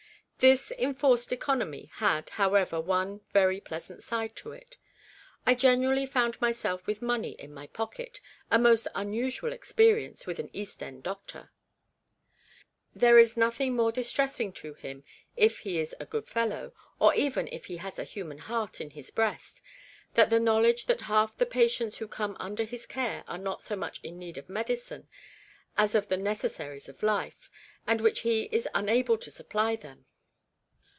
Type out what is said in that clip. This enforced economy had, however, one very pleasant side to it ; I generally found my self with money in my pocket, a most unusual experience with an East End doctor. There is nothing more distressing to him if he is a good fellow, or even if he has a human heart in his breast than the knowledge that half the patients who come under his care are not so much in need of medicine, as of the neces saries of life, with which he is unable to supply them.